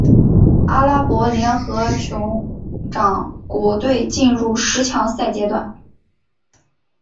阿拉伯联合酋长国队进入十强赛阶段。